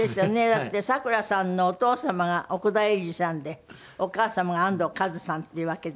だってサクラさんのお父様が奥田瑛二さんでお母様が安藤和津さんっていうわけで。